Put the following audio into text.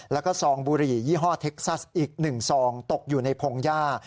แล้วก็ซองบุหรี่ยี่ห้อเท็กซัสอีก๑ซองตกอยู่ในพงหญ้า